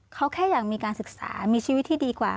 เขาแค่อยากมีการศึกษามีชีวิตที่ดีกว่า